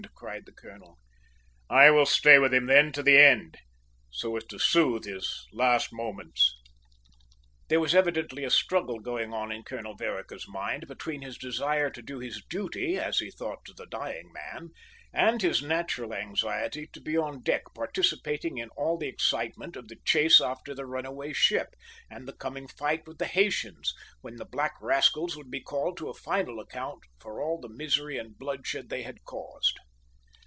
cried the colonel. "I will stay with him then, to the end, so as to soothe his last moments!" There was evidently a struggle going on in Colonel Vereker's mind between his desire to do his duty, as he thought, to the dying man, and his natural anxiety to be on deck participating in all the excitement of the chase after the runaway ship and the coming fight with the Haytians, when the black rascals would be called to a final account for all the misery and bloodshed they had caused.